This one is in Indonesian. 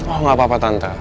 oh gapapa tante